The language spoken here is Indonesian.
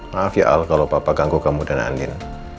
maaf ya al kalau papa ganggu kamu dan andin